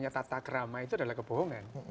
atakrama itu adalah kebohongan